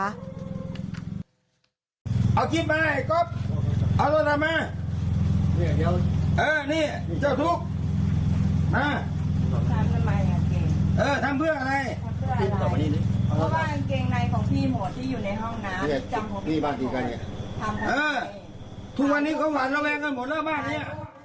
นี่บ้านดีกันไงเออทุกวันนี้เขาหวานระแวงกันหมดแล้วบ้านนี้